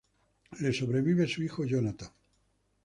Le sobrevive su hijo Jonathan.